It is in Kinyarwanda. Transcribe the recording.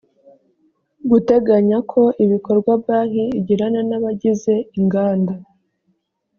guteganya ko ibikorwa banki igirana n abagize inganda